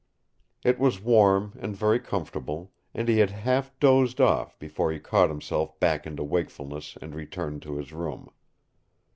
It was warm, and very comfortable, and he had half dozed off before he caught himself back into wakefulness and returned to his room.